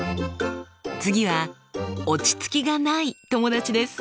次は落ち着きがない友達です。